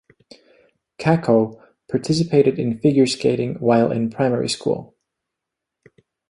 Kako participated in figure skating while in primary school.